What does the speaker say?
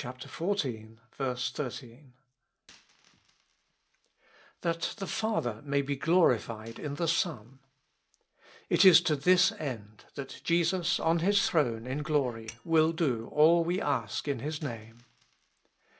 13. nrHA T the Father may be glorified in the Son ; it ■^ is to this end that Jesus on His throne in glory will do all we ask in His Name.